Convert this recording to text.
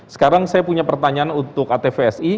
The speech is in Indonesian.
sekarang saya punya pertanyaan untuk atvsi